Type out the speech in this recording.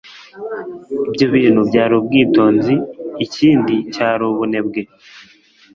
ibyo bintu byari ubwitonzi ikindi cyari ubunebwe